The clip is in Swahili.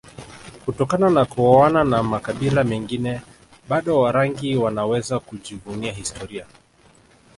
kutokana na kuoana na makabila mengine bado Warangi wanaweza kujivunia historia